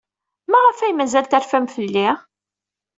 Maɣef ay mazal terfam fell-i?